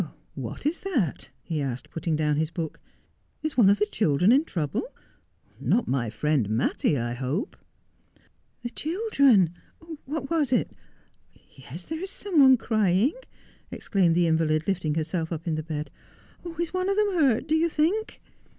' What is that ?' he asked, putting down his book. ' Is one of the children in trouble ? Not my friend Mattie, I hope.' ' The children. What was it? Yes, there is some one crying,' exclaimed the invalid, lifting herself up in the bed. ' Is one of them hurt, do you think